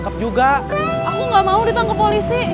aku gak mau ditangkap polisi